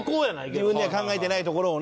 自分じゃ考えてないところをね